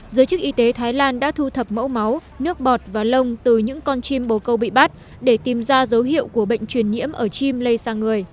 giới chức y tế thái lan đã thu thập mẫu máu nước bọt và lông từ những con chim bồ câu bị bắt để tìm ra dấu hiệu của bệnh truyền nhiễm ở chim lây sang người